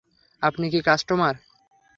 আপনি কি কাস্টমার?